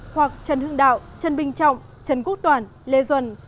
hoặc trần hương đạo trần bình trọng trần quốc toản lê duẩn